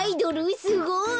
すごい。